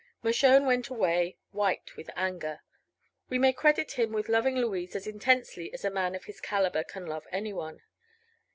Mershone went away white with anger. We may credit him with loving Louise as intensely as a man of his caliber can love anyone.